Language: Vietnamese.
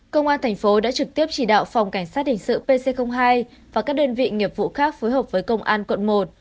công an thành phố đã trực tiếp chỉ đạo phòng cảnh sát hình sự pc hai và các đơn vị nghiệp vụ khác phối hợp với công an quận một